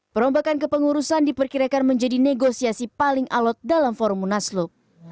perombakan kepengurusan diperkirakan menjadi negosiasi paling alot dalam forum munaslup